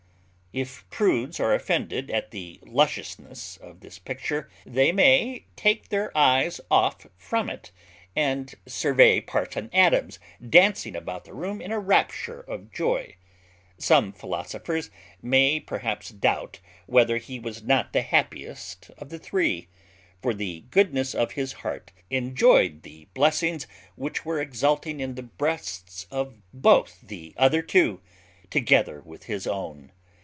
If prudes are offended at the lusciousness of this picture, they may take their eyes off from it, and survey parson Adams dancing about the room in a rapture of joy. Some philosophers may perhaps doubt whether he was not the happiest of the three: for the goodness of his heart enjoyed the blessings which were exulting in the breasts of both the other two, together with his own.